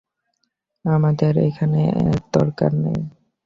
আমাদের এখানে এর দরকার নেই।